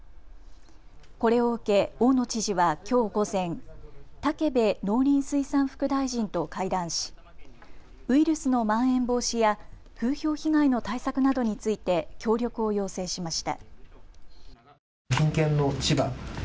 これを受け大野知事はきょう午前、武部農林水産副大臣と会談しウイルスのまん延防止や風評被害の対策などについて協力を要請しました。